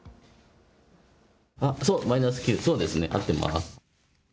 そう、マイナス９、そうですね、合ってます。